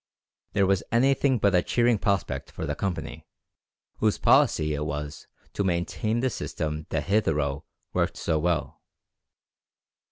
This was anything but a cheering prospect for the Company, whose policy it was to maintain the system that had hitherto worked so well.